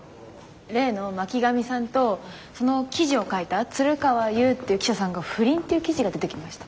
例の巻上さんとその記事を書いた鶴川ゆうっていう記者さんが不倫っていう記事が出てきました。